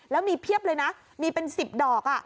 แล้วมีเพียบเลยนะมีเป็น๑๐ดอก